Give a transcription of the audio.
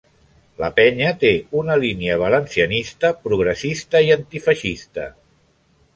La penya té una línia valencianista, progressista i antifeixista.